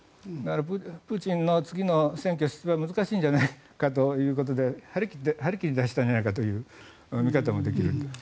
プーチンの次の選挙出馬は難しいんじゃないかということで張り切り出したんじゃないかという見方もできると。